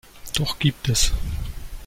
Doch gibt es.